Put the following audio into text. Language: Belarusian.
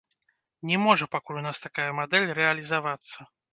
Не можа пакуль у нас такая мадэль рэалізавацца.